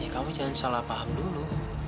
kamu jangan salah paham dulu